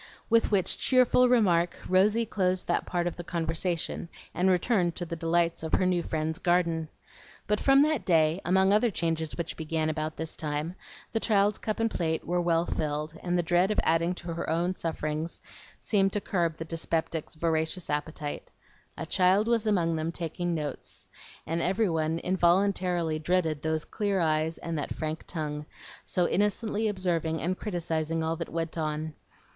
With which cheerful remark Rosy closed that part of the conversation and returned to the delights of her new friend's garden. But from that day, among other changes which began about this time, the child's cup and plate were well filled, and the dread of adding to her own sufferings seemed to curb the dyspeptic's voracious appetite. "A cheild was amang them takin' notes," and every one involuntarily dreaded those clear eyes and that frank tongue, so innocently observing and criticising all that went on.